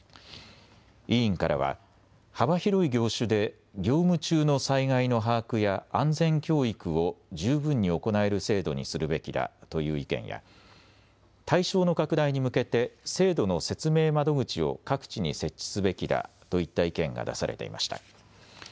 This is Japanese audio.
委員からは幅広い業種で業務中の災害の把握や安全教育を十分に行える制度にするべきだという意見や対象の拡大に向けて制度の説明窓口を各地に設置すべきだといった意見が出されていました。